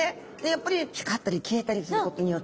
やっぱり光ったり消えたりすることによって。